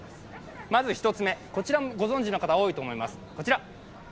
まず１つ目、こちらもご存じの方が多いと思います。